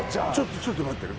ちょっと待ってね